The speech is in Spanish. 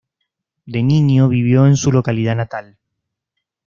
De niño vivió en su localidad natal.